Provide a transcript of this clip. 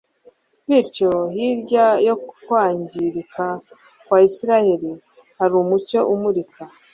Bityo hirya yo kwangirika kwa Isiraheli hari umucyo umurika